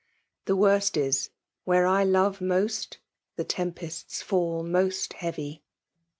— The worst ts, where I lore most The tempests &U most heavy.